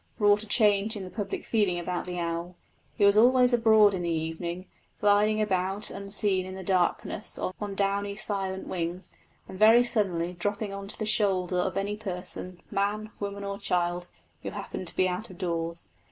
wrought a change in the public feeling about the owl. He was always abroad in the evening, gliding about unseen in the darkness on downy silent wings, and very suddenly dropping on to the shoulder of any person man, woman, or child who happened to be out of doors.